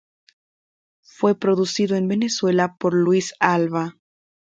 Fue producido en Venezuela por Luis Alva.